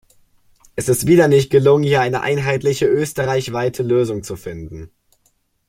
Es ist wieder nicht gelungen, hier eine einheitliche österreichweite Lösung zu finden.